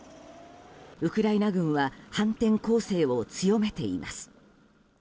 ウクライナ軍は反転攻勢を強めています。